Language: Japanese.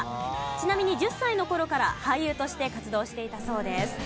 ちなみに１０歳の頃から俳優として活動していたそうです。